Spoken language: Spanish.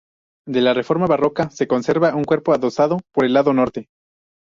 De la reforma barroca se conserva un cuerpo adosado por el lado norte.